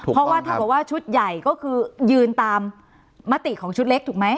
เพราะว่าเท่ากับว่าชุดใหญ่ก็คือยืนตามมติของชุดเล็กถูกไหม